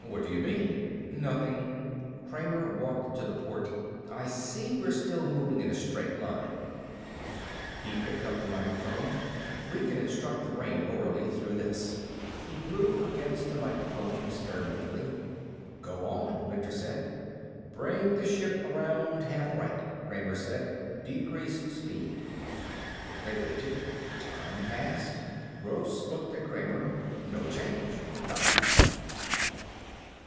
"What do you mean?" "Nothing." Kramer walked to the port. "I see we're still moving in a straight line." He picked up the microphone. "We can instruct the brain orally, through this." He blew against the microphone experimentally. "Go on," Winter said. "Bring the ship around half right," Kramer said. "Decrease speed." They waited. Time passed. Gross looked at Kramer. "No change. Nothing."